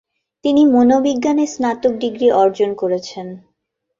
তিনি মনোবিজ্ঞানে স্নাতক ডিগ্রি অর্জন করেছেন।